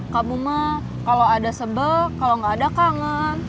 kamu mah kalau ada sebe kalau gak ada kangen